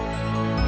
sampai jumpa lagi